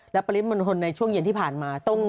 และปริมณฑลในช่วงเย็นที่ผ่านมา